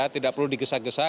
tidak perlu digesak gesak